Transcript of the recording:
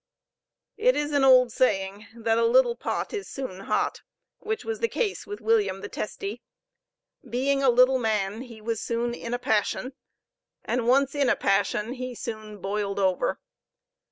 It is an old saying, that "a little pot is soon hot," which was the case with William the Testy. Being a little man, he was soon in a passion, and once in a passion he soon boiled over.